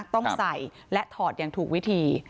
ต้องใส่และถอดอย่างถูกวิธี